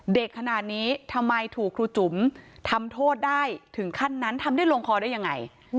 เด็กขนาดนี้ทำไมถูกครูจุ๋มทำโทษได้ถึงขั้นนั้นทำได้ลงคอได้ยังไง